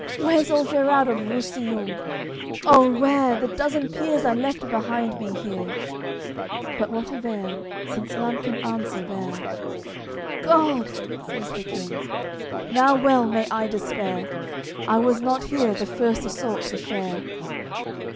Where's old Gerard of Russillun; oh, where The dozen peers I left behind me here?" But what avail, since none can answer bear? "God!" says the King, "Now well may I despair, I was not here the first assault to share!"